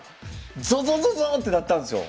ゾゾゾゾーッてなったんですよ。